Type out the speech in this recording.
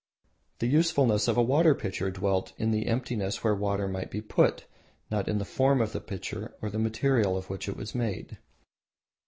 The usefulness of a water pitcher dwelt in the emptiness where water might be put, not in the form of the pitcher or the material of which it was made.